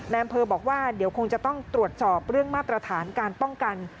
อำเภอบอกว่าเดี๋ยวคงจะต้องตรวจสอบเรื่องมาตรฐานการป้องกัน